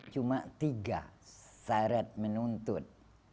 cuma tiga syarat menuntut